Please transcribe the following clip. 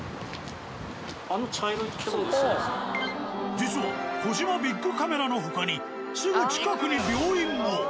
実は「コジマ×ビックカメラ」の他にすぐ近くに病院も。